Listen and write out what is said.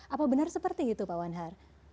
apa benar seperti itu pak wanhar